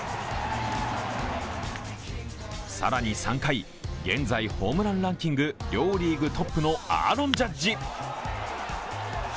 更に３回、現在、ホームランランキング両リーグトップのアーロン・ジャッジ。